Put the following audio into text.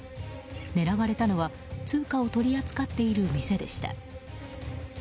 狙われたのは通貨を取り扱っている店でした。